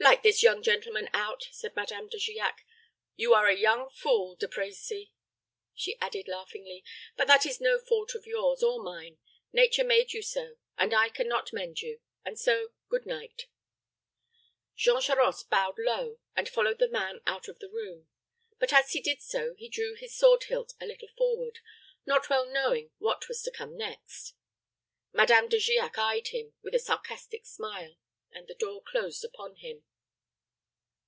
"Light this young gentleman out," said Madame De Giac. "You are a young fool, De Brecy," she added, laughingly; "but that is no fault of yours or mine. Nature made you so, and I can not mend you; and so, good night." Jean Charost bowed low, and followed the man out of the room; but, as he did so, he drew his sword hilt a little forward, not well knowing what was to come next. Madame De Giac eyed him with a sarcastic smile, and the door closed upon him.